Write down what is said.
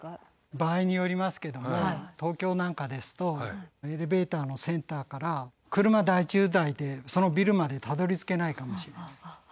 場合によりますけども東京なんかですとエレベーターのセンターから車大渋滞でそのビルまでたどりつけないかもしれない。